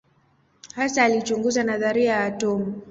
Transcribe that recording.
Hasa alichunguza nadharia ya atomu.